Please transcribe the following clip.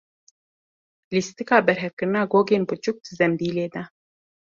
Lîstika berhevkirina gogên biçûk di zembîlê de.